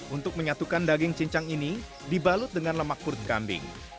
untuk menyatukan daging cincang ini dibalut dengan lemak perut kambing